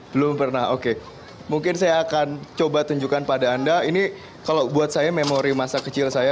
belum pernah oke mungkin saya akan coba tunjukkan pada anda ini kalau buat saya memori masa kecil saya